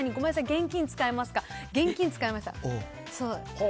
現金使えますか？